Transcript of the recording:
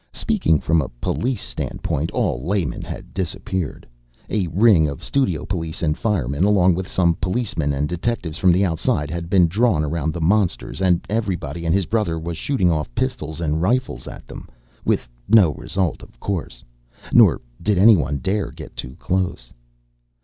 Speaking from a police standpoint all laymen had disappeared. A ring of studio police and firemen, along with some policemen and detectives from the outside, had been drawn around the monsters and everybody and his brother was shooting off pistols and rifles at them. With no result, of course. Nor did anyone dare get too close.